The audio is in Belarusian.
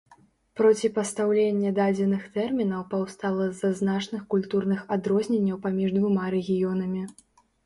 Проціпастаўленне дадзеных тэрмінаў паўстала з-за значных культурных адрозненняў паміж двума рэгіёнамі.